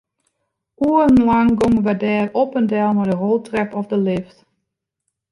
Oerenlang gongen wy dêr op en del mei de roltrep of de lift.